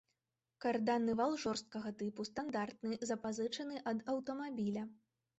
Карданны вал жорсткага тыпу, стандартны, запазычаны ад аўтамабіля.